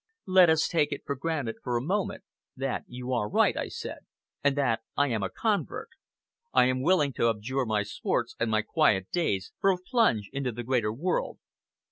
"Let us take it for granted, for a moment, that you are right," I said, "and that I am a convert. I am willing to abjure my sports and my quiet days for a plunge into the greater world.